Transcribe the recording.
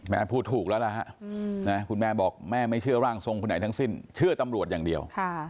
พูดถูกแล้วล่ะฮะคุณแม่บอกแม่ไม่เชื่อร่างทรงคนไหนทั้งสิ้นเชื่อตำรวจอย่างเดียว